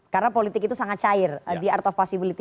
karena politik itu sangat cair di art of possibility